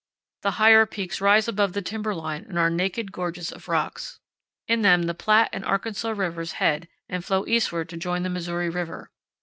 The higher peaks rise above the timber line and are naked gorges of rocks. In them the Platte and Arkansas rivers head and flow eastward to join the Missouri River.